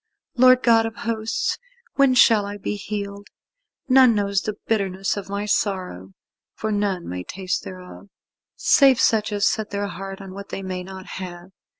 Lord God of Hosts, when shall I be healed? None knows the bitterness of my sorrow, for none may taste thereof, save such as set their heart on what they may not have.